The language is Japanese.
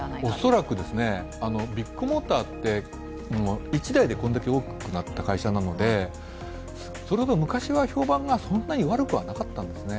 恐らくビッグモーターって一代でこれだけ大きくなった会社なのでそれほど昔は評判が悪くなかったんですね。